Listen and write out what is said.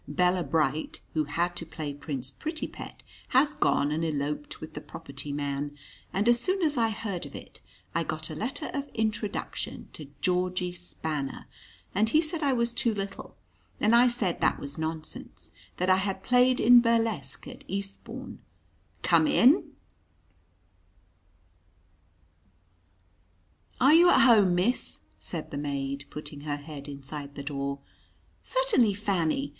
Bella Bright, who had to play Prince Prettypet, has gone and eloped with the property man, and as soon as I heard of it, I got a letter of introduction to Georgie Spanner, and he said I was too little, and I said that was nonsense that I had played in burlesque at Eastbourne Come in!" [Illustration: THE STAGE MANAGER.] "Are you at home, miss?" said the maid, putting her head inside the door. "Certainly, Fanny.